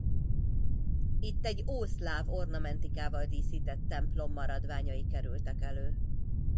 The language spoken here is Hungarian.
Itt egy ószláv ornamentikával díszített templom maradványai kerültek elő.